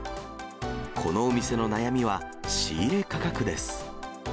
このお店の悩みは仕入れ価格です。